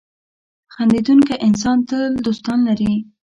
• خندېدونکی انسان تل دوستان لري.